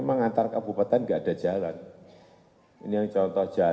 mungkin polres mesuji udah tahu